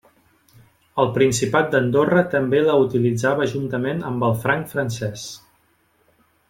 El Principat d'Andorra també la utilitzava juntament amb el franc francès.